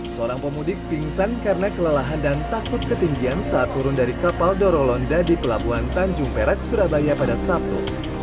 seorang pemudik pingsan karena kelelahan dan takut ketinggian saat turun dari kapal dorolonda di pelabuhan tanjung perak surabaya pada sabtu